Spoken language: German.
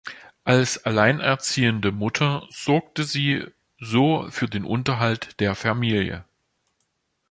Als allein erziehende Mutter sorgte sie so für den Unterhalt der Familie.